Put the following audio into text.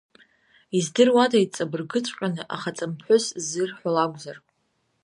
Издыруада иҵабыргыҵәҟьаны ахаҵамԥҳәыс ззырҳәо лакәзар.